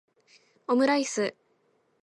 omuraisu